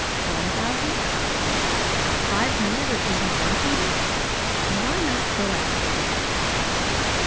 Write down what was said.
One thousand? Five hundred, or even one hundred? Then why not go after it?"